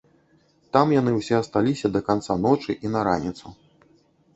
Там яны ўсе асталіся да канца ночы і на раніцу.